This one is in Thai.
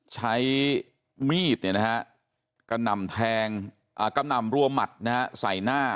ใช้มีดกระหน่ำแทงกำหนำรวมหมัดใส่หน้า